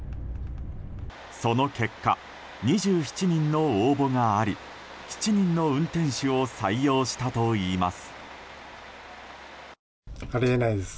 その結果２７人の応募があり７人の運転手を採用したといいます。